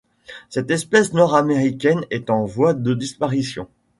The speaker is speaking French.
Cette espèce nord-américaine est en voie de disparition.